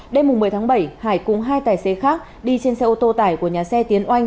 đêm một mươi tháng bảy hải cùng hai tài xế khác đi trên xe ô tô tải của nhà xe tiến oanh